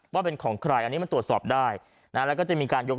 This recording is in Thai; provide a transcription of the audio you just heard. ว่าเป็นของใครอันนี้มันตรวจสอบได้นะแล้วก็จะมีการยก